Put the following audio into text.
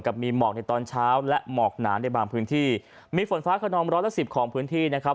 มีหมอกในตอนเช้าและหมอกหนาในบางพื้นที่มีฝนฟ้าขนองร้อยละสิบของพื้นที่นะครับ